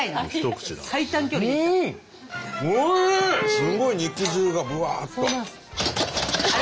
すごい肉汁がブワっと。